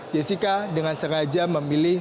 jessica dengan sengaja memilih